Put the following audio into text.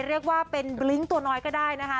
เรียกว่าเป็นบลิ้งตัวน้อยก็ได้นะคะ